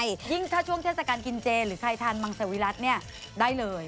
ยิ่งถ้าช่วงเทศกาลกินเจหรือใครทานมังสวิรัติเนี่ยได้เลย